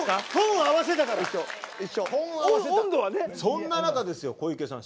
そんな中ですよ小池さん